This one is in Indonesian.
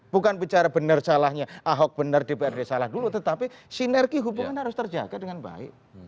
bukan bicara benar salahnya ahok benar dprd salah dulu tetapi sinergi hubungan harus terjaga dengan baik